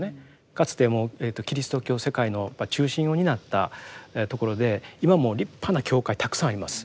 かつてもうキリスト教世界の中心を担ったところで今も立派な教会たくさんあります。